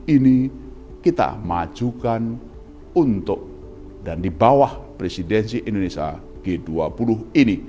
ini kita majukan untuk dan di bawah presidensi indonesia g dua puluh ini